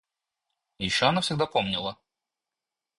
И еще она всегда помнила